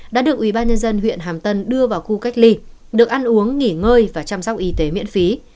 đã được ubnd huyện hàm tân đưa vào khu cách ly được ăn uống nghỉ ngơi và chăm sóc y tế miễn phí